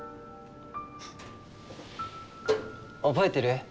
覚えてる？